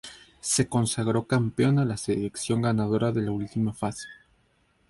Se consagró campeón a la selección ganadora de la última fase.